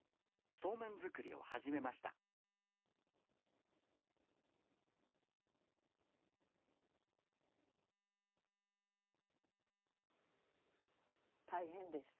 そうめん作りを始めました大変でした。